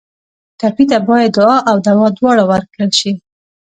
ټپي ته باید دعا او دوا دواړه ورکړل شي.